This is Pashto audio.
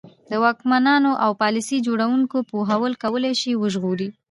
د واکمنانو او پالیسي جوړوونکو پوهول کولای شي وژغوري.